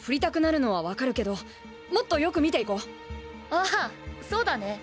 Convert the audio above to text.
ああそうだね。